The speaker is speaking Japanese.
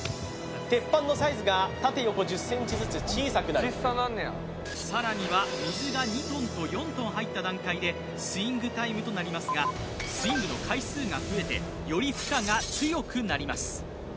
鉄板のサイズが縦横１０ｃｍずつ小さくなるさらには水が２ｔと４ｔ入った段階でスイングタイムとなりますがスイングの回数が増えてより負荷が強くなります